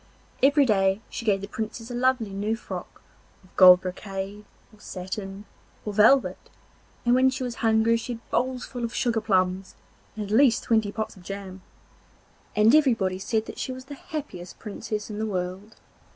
Every day she gave the Princess a lovely new frock of gold brocade, or satin, or velvet, and when she was hungry she had bowls full of sugar plums, and at least twenty pots of jam. Everybody said she was the happiest Princess in the world.